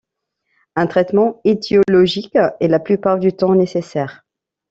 Un traitement étiologique est la plupart du temps nécessaire.